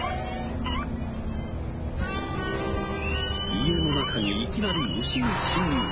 家の中にいきなり牛が侵入。